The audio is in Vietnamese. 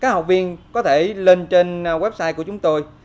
các học viên có thể lên trên website của chúng tôi